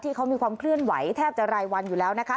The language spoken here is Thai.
ที่เขามีความเคลื่อนไหวแทบจะรายวันอยู่แล้วนะคะ